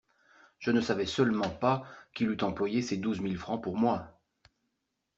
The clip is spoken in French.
Je ne savais seulement pas qu'il eût employé ces douze mille francs pour moi.